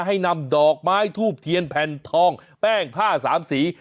ให้นำดอกไม้ทูบเทียนแผ่นทองแป้งผ้าสามสี